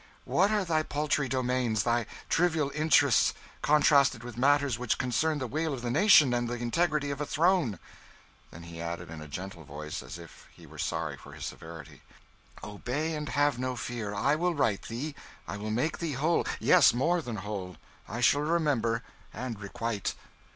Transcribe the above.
What are thy paltry domains, thy trivial interests, contrasted with matters which concern the weal of a nation and the integrity of a throne?" Then, he added, in a gentle voice, as if he were sorry for his severity, "Obey, and have no fear; I will right thee, I will make thee whole yes, more than whole. I shall remember, and requite."